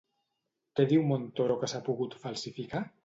Què diu Montoro que s'ha pogut falsificar?